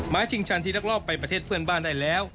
ชิงชันที่ลักลอบไปประเทศเพื่อนบ้านได้แล้ว